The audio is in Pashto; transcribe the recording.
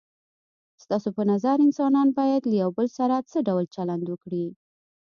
ستاسو په نظر انسانان باید له یو بل سره څه ډول چلند وکړي؟